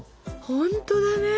ほんとだね。